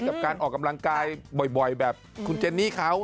กับการออกกำลังกายบ่อยแบบคุณเจนนี่เขา